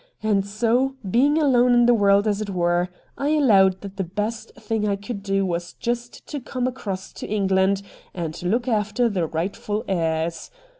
And so, being alone in the world as it were, I allowed that the best thing I could do was just to come across to England and look after the rightful heirs.